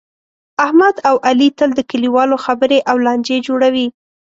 احمد اوعلي تل د کلیوالو خبرې او لانجې جوړوي.